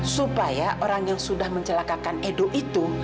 supaya orang yang sudah mencelakakan edo itu